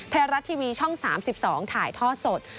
ไทยรัฐทีวีช่อง๓๒ถ่ายทอดสด